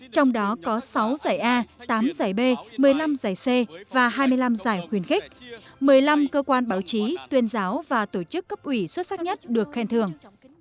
trong đó có sáu giải a tám giải b một mươi năm giải c và hai mươi năm giải khuyên khích một mươi năm cơ quan báo chí tuyên giáo và tổ chức cấp ủy xuất sắc nhất được khen thường